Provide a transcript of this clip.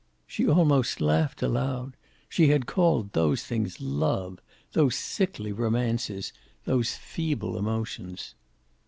She almost laughed aloud. She had called those things love, those sickly romances, those feeble emotions!